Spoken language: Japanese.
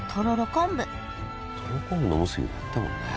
昆布とろろ昆布のおむすびもやったもんね。